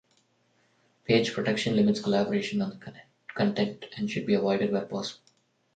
Page protection limits collaboration on the content, and should be avoided where possible.